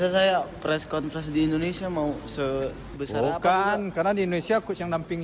jadi kok tenang